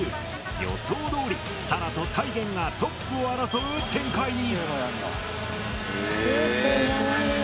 予想どおりさらとたいげんがトップを争う展開に！